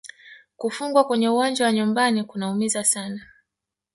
Kufungwa kwenye uwanja wa nyumbani kunaumiza sana